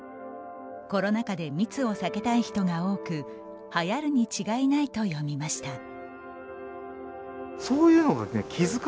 コロナ禍で密を避けたい人が多く流行るに違いないと読みました。